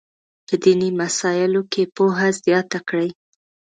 په دیني مسایلو کې پوهه زیاته کړي.